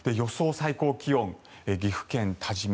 最高気温岐阜県多治見